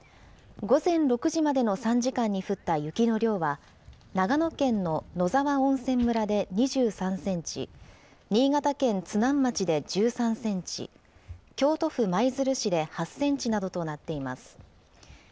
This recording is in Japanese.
午前６時までの３時間に降った雪の量は、長野県の野沢温泉村で２３センチ、新潟県津南町で１３センチ、京都府舞鶴市で８センチなどとなっています。